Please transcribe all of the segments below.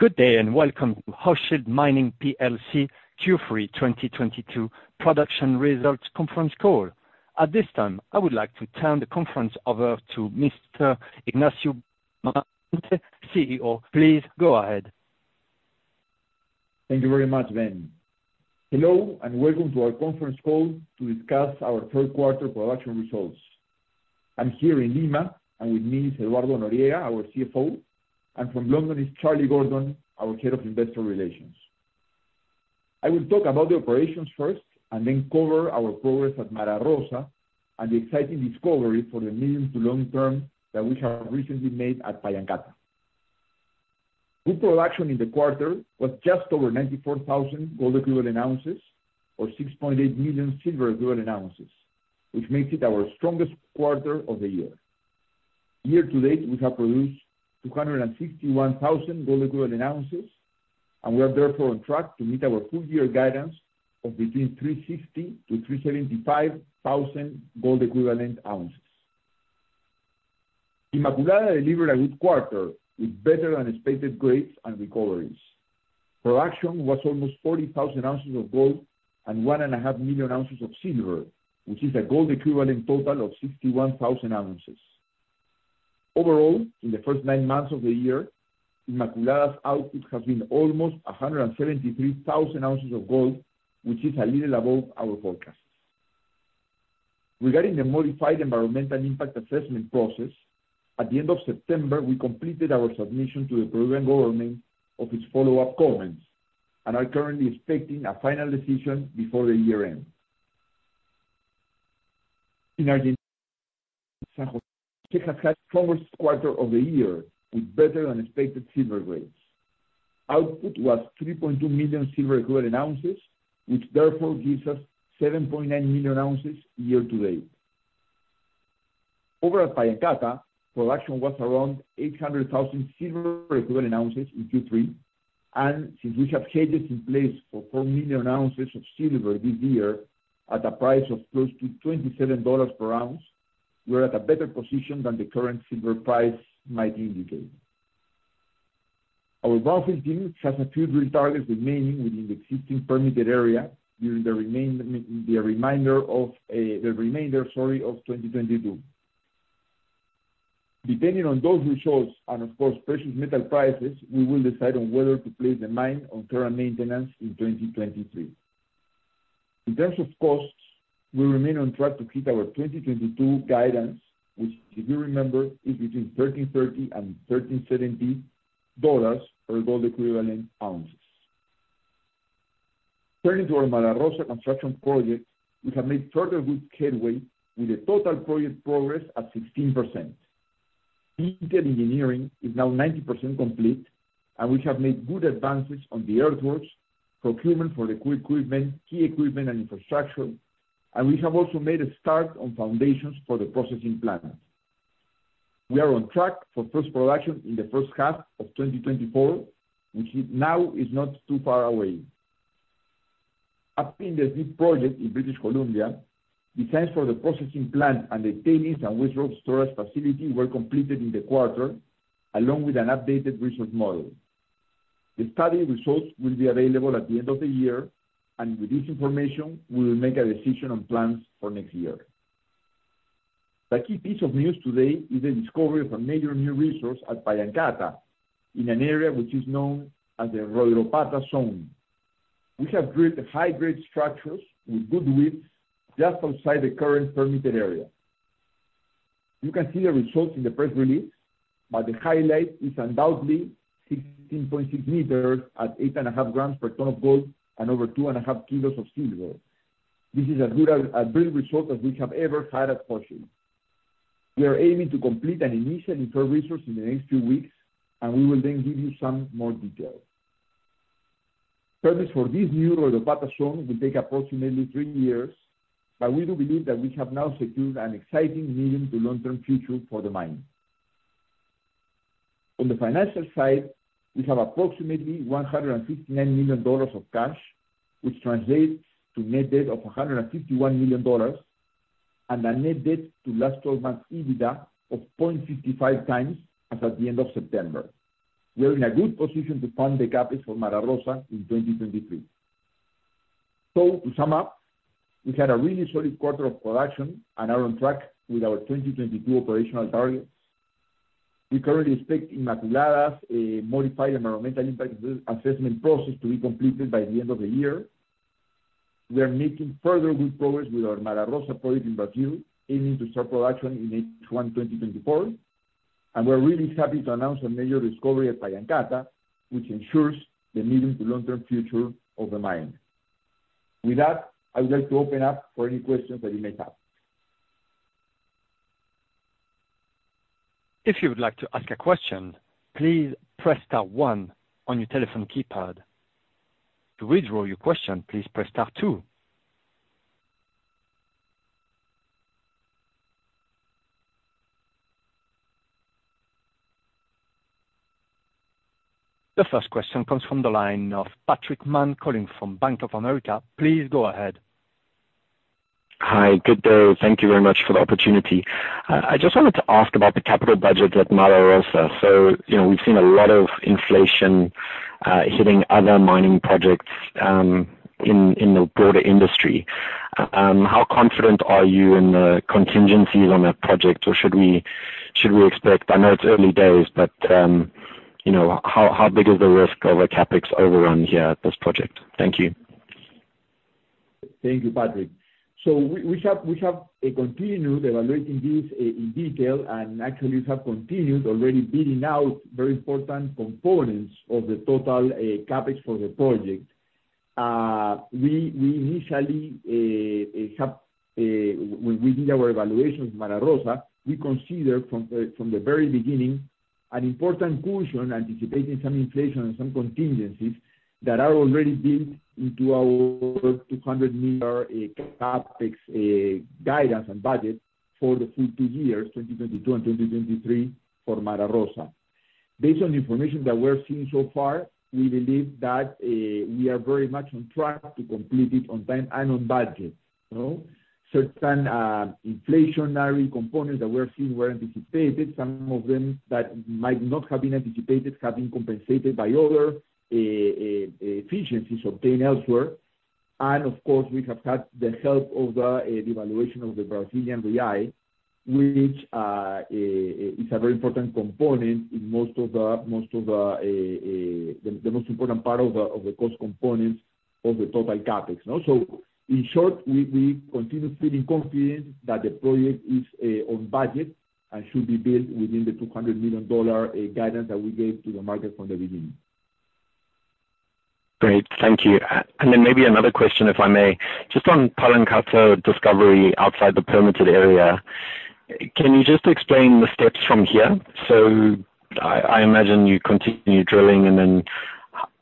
Good day and welcome to Hochschild Mining PLC Q3 2022 production results conference call. At this time, I would like to turn the conference over to Mr. Ignacio Bustamante, CEO. Please go ahead. Thank you very much, Ben. Hello, and welcome to our conference call to discuss our third quarter production results. I'm here in Lima, and with me is Eduardo Noriega, our CFO, and from London is Charlie Gordon, our Head of Investor Relations. I will talk about the operations first, and then cover our progress at Mara Rosa and the exciting discovery for the medium to long term that we have recently made at Pallancata. Good production in the quarter was just over 94,000 gold equivalent ounces or 6.8 million silver equivalent ounces, which makes it our strongest quarter of the year. Year to date, we have produced 261,000 gold equivalent ounces, and we are therefore on track to meet our full year guidance of between 360,000-375,000 gold equivalent ounces. Inmaculada delivered a good quarter with better than expected grades and recoveries. Production was almost 40,000 ounces of gold and 1.5 million ounces of silver, which is a gold equivalent total of 61,000 ounces. Overall, in the first nine months of the year, Inmaculada's output has been almost 173,000 ounces of gold, which is a little above our forecast. Regarding the modified environmental impact assessment process, at the end of September, we completed our submission to the Peruvian government of its follow-up comments, and are currently expecting a final decision before the year end. In Argentina, San José has had its strongest quarter of the year with better than expected silver grades. Output was 3.2 million silver equivalent ounces, which therefore gives us 7.9 million ounces year to date. Over at Pallancata, production was around 800,000 silver equivalent ounces in Q3, and since we have hedges in place for 4 million ounces of silver this year at a price of close to $27 per ounce, we are at a better position than the current silver price might indicate. Our drilling team has a few drill targets remaining within the existing permitted area during the remainder of 2022. Depending on those results and of course, precious metal prices, we will decide on whether to place the mine on care and maintenance in 2023. In terms of costs, we remain on track to hit our 2022 guidance, which, if you remember, is between $1,330 and $1,370 per gold equivalent ounces. Turning to our Mara Rosa construction project, we have made further good headway with the total project progress at 16%. Detailed engineering is now 90% complete, and we have made good advances on the earthworks, procurement for the equipment, key equipment and infrastructure, and we have also made a start on foundations for the processing plant. We are on track for first production in the first half of 2024, which is now not too far away. Updating the Snip project in British Columbia, designs for the processing plant and the tailings and waste rock storage facility were completed in the quarter, along with an updated resource model. The study results will be available at the end of the year, and with this information, we will make a decision on plans for next year. The key piece of news today is the discovery of a major new resource at Pallancata in an area which is known as the Royropata Zone. We have drilled high-grade structures with good widths just outside the current permitted area. You can see the results in the press release, but the highlight is undoubtedly 16.6 meters at 8.5 grams per ton of gold and over 2.5 kilos of silver. This is as good a drill result as we have ever had at Hochschild. We are aiming to complete an initial inferred resource in the next few weeks, and we will then give you some more details. Studies for this new Royropata Zone will take approximately three years, but we do believe that we have now secured an exciting medium- to long-term future for the mine. On the financial side, we have approximately $159 million of cash, which translates to net debt of $151 million and a net debt to last 12 months EBITDA of 0.55x as at the end of September. We are in a good position to fund the CapEx for Mara Rosa in 2023. To sum up, we've had a really solid quarter of production and are on track with our 2022 operational targets. We currently expect Inmaculada's Modified Environmental Impact Assessment process to be completed by the end of the year. We are making further good progress with our Mara Rosa project in Peru, aiming to start production in H1 2024. We're really happy to announce a major discovery at Pallancata, which ensures the medium to long term future of the mine. With that, I would like to open up for any questions that you may have. If you would like to ask a question, please press star one on your telephone keypad. To withdraw your question, please press star two. The first question comes from the line of Patrick Mann calling from Bank of America. Please go ahead. Hi. Good day. Thank you very much for the opportunity. I just wanted to ask about the capital budget at Mara Rosa. You know, we've seen a lot of inflation hitting other mining projects in the broader industry. How confident are you in the contingencies on that project, or should we expect? I know it's early days, but you know, how big is the risk of a CapEx overrun here at this project? Thank you. Thank you, Patrick. We have continued evaluating this in detail, and actually have continued already building out very important components of the total CapEx for the project. We initially have, when we did our evaluation of Mara Rosa, we considered from the very beginning an important cushion anticipating some inflation and some contingencies that are already built into our $200 million CapEx guidance and budget for the future years, 2022 and 2023 for Mara Rosa. Based on the information that we're seeing so far, we believe that we are very much on track to complete it on time and on budget. You know? Certain inflationary components that we're seeing were anticipated, some of them that might not have been anticipated have been compensated by other efficiencies obtained elsewhere. Of course, we have had the help of the devaluation of the Brazilian reals, which is a very important component in most of the most important part of the cost components of the total CapEx, you know? In short, we continue feeling confident that the project is on budget and should be built within the $200 million guidance that we gave to the market from the beginning. Great. Thank you. Maybe another question, if I may. Just on Pallancata discovery outside the permitted area, can you just explain the steps from here? I imagine you continue drilling and then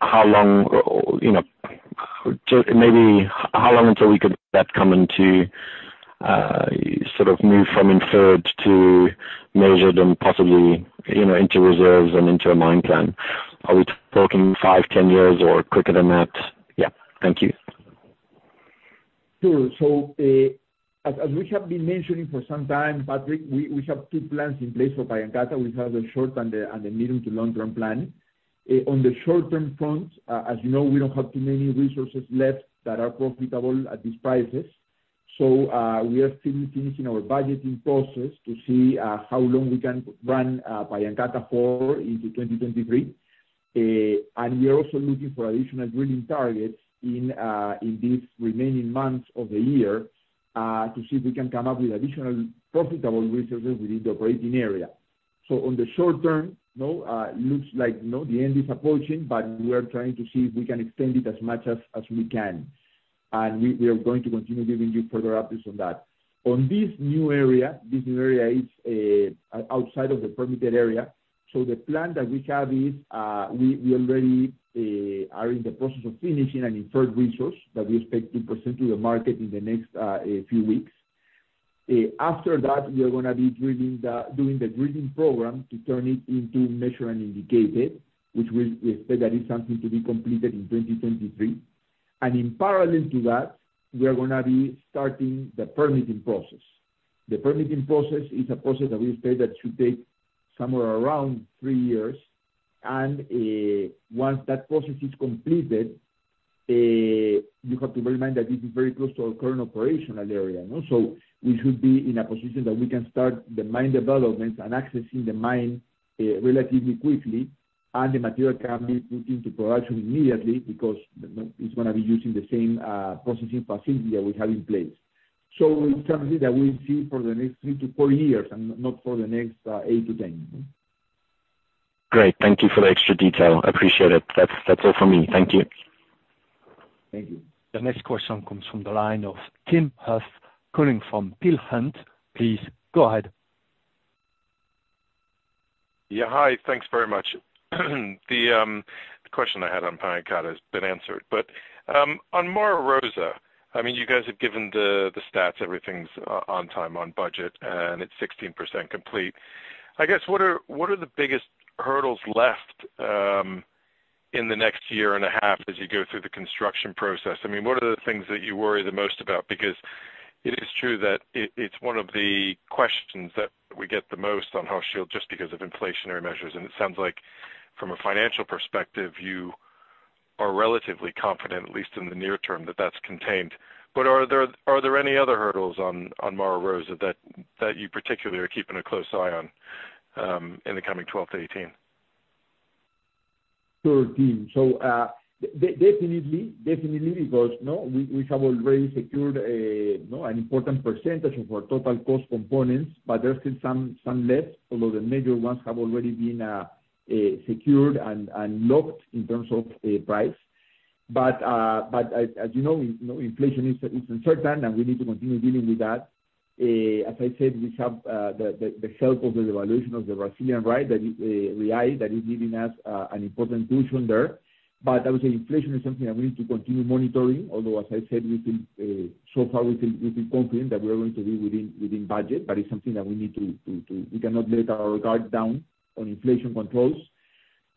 how long or, you know, just maybe how long until we could see that come into sort of move from inferred to measured and possibly, you know, into reserves and into a mine plan. Are we talking 5, 10 years, or quicker than that? Yeah. Thank you. Sure. As we have been mentioning for some time, Patrick, we have two plans in place for Pallancata. We have the short and the medium to long-term plan. On the short-term front, as you know, we don't have too many resources left that are profitable at these prices. We are still finishing our budgeting process to see how long we can run Pallancata for into 2023. We are also looking for additional drilling targets in these remaining months of the year to see if we can come up with additional profitable resources within the operating area. On the short term, you know, looks like, you know, the end is approaching, but we are trying to see if we can extend it as much as we can. We are going to continue giving you further updates on that. On this new area, this new area is outside of the permitted area. The plan that we have is we already are in the process of finishing an inferred resource that we expect to present to the market in the next few weeks. After that, we are gonna be doing the drilling program to turn it into measured and indicated, which we expect that is something to be completed in 2023. In parallel to that, we are gonna be starting the permitting process. The permitting process is a process that we say that should take somewhere around three years. Once that process is completed, you have to bear in mind that this is very close to our current operational area, you know? We should be in a position that we can start the mine developments and accessing the mine, relatively quickly, and the material can be put into production immediately because it's gonna be using the same, processing facility that we have in place. It's something that we'll see for the next three to four years and not for the next 8-10. You know? Great. Thank you for the extra detail. I appreciate it. That's all for me. Thank you. Thank you. The next question comes from the line of Tim Huff calling from Peel Hunt. Please go ahead. Yeah. Hi. Thanks very much. The question I had on Pallancata has been answered, but on Mara Rosa, I mean, you guys have given the stats, everything's on time, on budget, and it's 16% complete. I guess what are the biggest hurdles left in the next year and a half as you go through the construction process? I mean, what are the things that you worry the most about? Because it is true that it's one of the questions that we get the most on Hochschild just because of inflationary measures, and it sounds like from a financial perspective you are relatively confident, at least in the near term, that that's contained. But are there any other hurdles on Mara Rosa that you particularly are keeping a close eye on in the coming 12-18? Sure, Tim. Definitely, because, you know, we have already secured, you know, an important percentage of our total cost components, but there are still some left, although the major ones have already been secured and locked in terms of a price. As you know, inflation is uncertain, and we need to continue dealing with that. As I said, we have the help of the devaluation of the Brazilian reals that is giving us an important cushion there. I would say inflation is something that we need to continue monitoring, although as I said, we feel confident that we are going to be within budget, but it's something that we cannot let our guard down on inflation controls.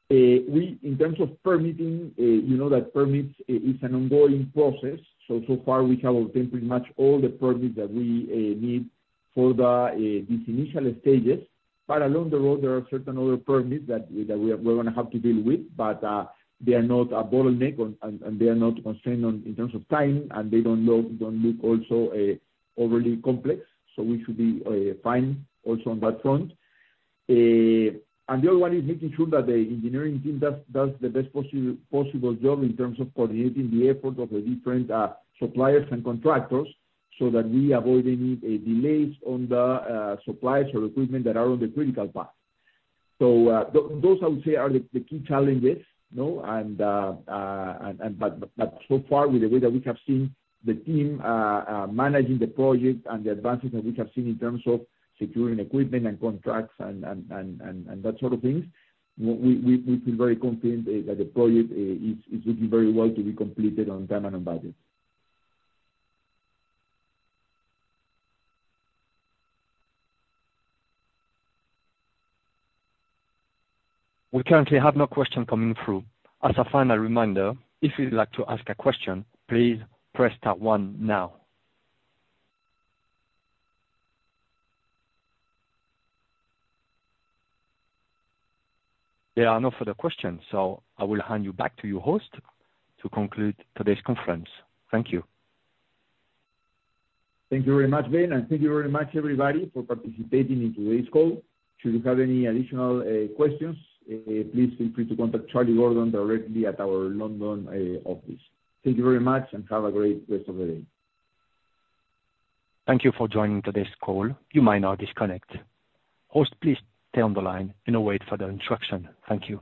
In terms of permitting, you know that permits is an ongoing process. So far we have obtained pretty much all the permits that we need for these initial stages. But along the road, there are certain other permits that we're gonna have to deal with. But they are not a bottleneck and they are not a constraint in terms of time, and they don't look also overly complex. So we should be fine also on that front. The other one is making sure that the engineering team does the best possible job in terms of coordinating the effort of the different suppliers and contractors so that we avoid any delays on the supplies or equipment that are on the critical path. Those I would say are the key challenges, you know. So far with the way that we have seen the team managing the project and the advances that we have seen in terms of securing equipment and contracts and that sort of things, we feel very confident that the project is looking very well to be completed on time and on budget. We currently have no question coming through. As a final reminder, if you'd like to ask a question, please press star one now. There are no further questions, so I will hand you back to your host to conclude today's conference. Thank you. Thank you very much, Ben, and thank you very much everybody for participating in today's call. Should you have any additional questions, please feel free to contact Charlie Gordon directly at our London office. Thank you very much and have a great rest of the day. Thank you for joining today's call. You may now disconnect. Host, please stay on the line and await further instruction. Thank you.